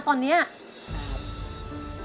โหนี่อีกเนี่ยนะตอนนี้